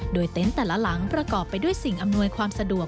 โดยเต็นต์แต่ละหลังประกอบไปด้วยสิ่งอำนวยความสะดวก